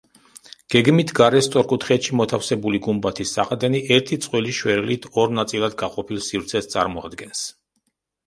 გეგმით გარე სწორკუთხედში მოთავსებული გუმბათის საყრდენი ერთი წყვილი შვერილით ორ ნაწილად გაყოფილ სივრცეს წარმოადგენს.